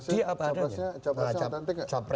dia apa adanya